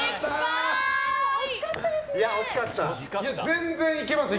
惜しかったですね。